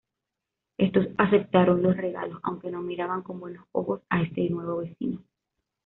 Estos aceptaron los regalos aunque no miraban con buenos ojos a este nuevo vecino.